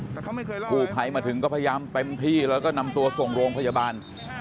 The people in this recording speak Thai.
กู้ภัยมาถึงก็พยายามเต็มที่แล้วก็นำตัวส่งโรงพยาบาล